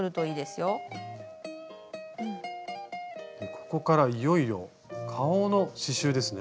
ここからいよいよ顔の刺しゅうですね。